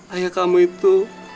ayah kamu itu